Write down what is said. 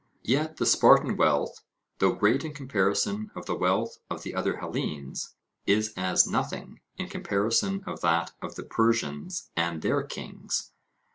Yet the Spartan wealth, though great in comparison of the wealth of the other Hellenes, is as nothing in comparison of that of the Persians and their kings.